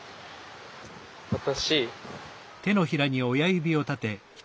私。